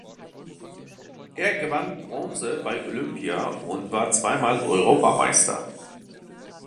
Er gewann Bronze bei Olympia und war zweimal Europameister.